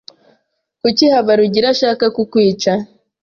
Kuki Habarugira ashaka kukwica?